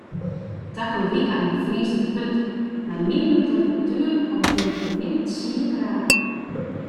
Takom wykein friest it hurd mei minimumtemperatueren omtrint de min tsien graden.